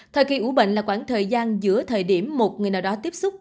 thời kỳ ủ bệnh là khoảng thời gian giữa thời điểm một người nào đó tiếp xúc